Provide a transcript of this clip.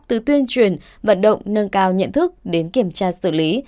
từ tuyên truyền vận động nâng cao nhận thức đến kiểm tra xử lý